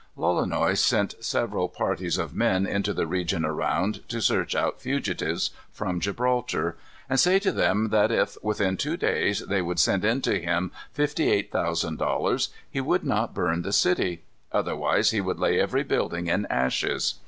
Lolonois sent several parties of men into the region around, to search out fugitives from Gibraltar, and say to them that if, within two days, they would send in to him fifty eight thousand dollars, he would not burn the city; otherwise he would lay every building in ashes.